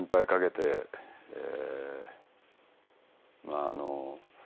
まああの。